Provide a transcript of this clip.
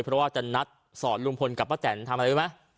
เพราะว่าจะนัดสอนลุงพลกับป้าแตนทำอะไรรู้ไหม